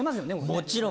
もちろん！